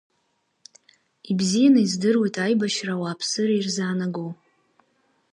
Ибзианы издыруеит аибашьра ауааԥсыра ирзаанаго…